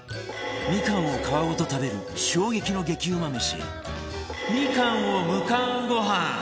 みかんを皮ごと食べる衝撃の激うま飯みかんをむかんごはん